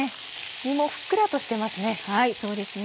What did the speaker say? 身もふっくらとしてますね。